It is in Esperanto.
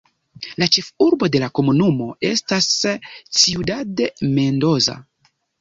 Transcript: La ĉefurbo de la komunumo estas Ciudad Mendoza.